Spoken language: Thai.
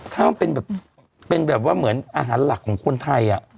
ข้าวเป็นแบบเป็นแบบว่าเหมือนอาหารหลักของคนไทย